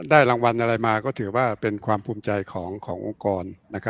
รางวัลอะไรมาก็ถือว่าเป็นความภูมิใจขององค์กร